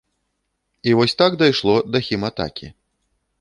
І вось так дайшло да хіматакі.